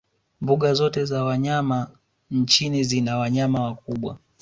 mbuga zote za wanyama nchini zina wanayama wakubwa